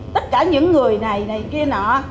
tất cả những người này này kia nọ